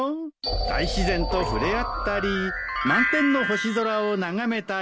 大自然と触れ合ったり満天の星空を眺めたり。